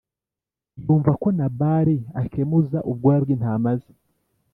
yumva ko Nabali akemuza ubwoya bw’intama ze.